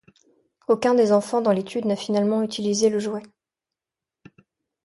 Aucun des enfants dans l'étude n'a finalement utilisé le jouet.